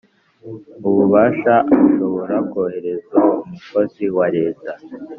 ububasha ashobora koherezwa umukozi wa Leta